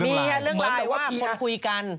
มีเรื่องลายมีเรื่องลายว่าคนคุยกัน